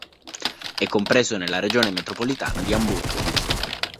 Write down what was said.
È compreso nella regione metropolitana di Amburgo.